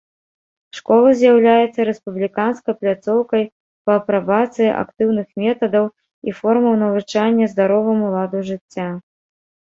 Школа з'яўляецца рэспубліканскай пляцоўкай па апрабацыі актыўных метадаў і формаў навучання здароваму ладу жыцця.